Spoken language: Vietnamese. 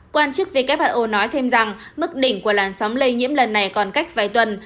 quan chức who nói thêm rằng mức đỉnh của làn sóng lây nhiễm lần này còn cách vài tuần